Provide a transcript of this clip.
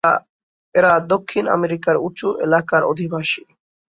এরা দক্ষিণ আমেরিকার উচু এলাকার অধিবাসী।